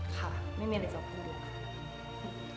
ค่ะไม่มีอะไรจะพูดค่ะ